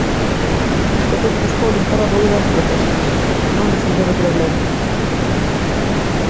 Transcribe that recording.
Escotet buscou 'limpar' o ruído das protestas, non resolver o problema.